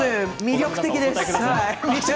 魅力的です。